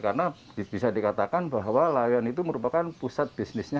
karena bisa dikatakan bahwa layan itu merupakan pusat bisnisnya